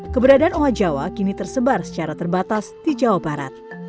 keberadaan owa jawa kini tersebar secara terbatas di jawa barat